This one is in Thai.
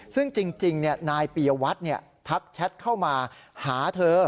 ซึ่งจริงนายปียวัตรทักแชทเข้ามาหาเธอ